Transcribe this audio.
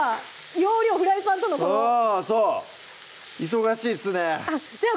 容量フライパンとのこのあぁそう忙しいっすねあっじゃあ